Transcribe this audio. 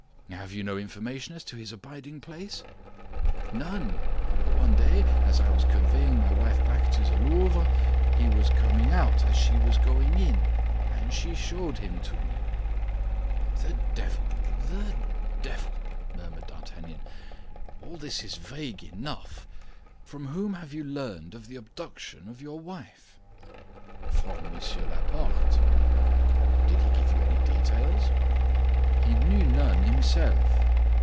"Have you no information as to his abiding place?" "None. One day, as I was conveying my wife back to the Louvre, he was coming out as she was going in, and she showed him to me." "The devil! The devil!" murmured D'Artagnan; "all this is vague enough. From whom have you learned of the abduction of your wife?" "From Monsieur Laporte." "Did he give you any details?" "He knew none himself."